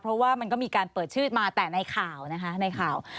เพราะว่ามันก็มีการเปิดชื่อมาแต่ในข่าวนะคะในข่าว